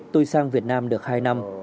tôi sang việt nam được hai năm